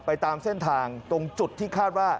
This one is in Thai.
ตามเส้นทางตรงจุดที่คาดว่า